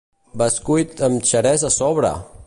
Bescuit amb xerès a sobre!